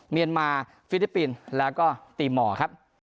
เมียนมาฟิลิปปินส์แล้วก็ตีหมอครับ